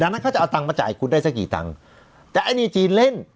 นั้นเขาจะเอาตังค์มาจ่ายคุณได้สักกี่ตังค์แต่ไอ้นี่จีนเล่น